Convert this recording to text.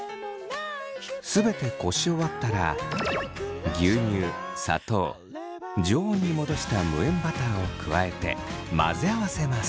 全てこし終わったら牛乳砂糖常温に戻した無塩バターを加えて混ぜ合わせます。